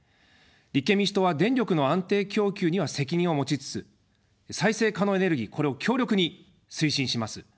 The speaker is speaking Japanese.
立憲民主党は電力の安定供給には責任を持ちつつ再生可能エネルギー、これを強力に推進します。